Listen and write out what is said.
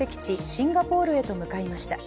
シンガポールへと向かいました。